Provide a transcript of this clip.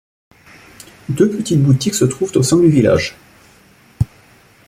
Deux petites boutiques se trouvent au sein du village.